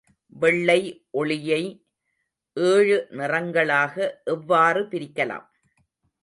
வெள்ளை ஒளியை ஏழு நிறங்களாக எவ்வாறு பிரிக்கலாம்?